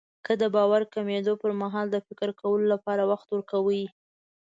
که د باور کمېدو پرمهال د فکر کولو لپاره وخت ورکړئ.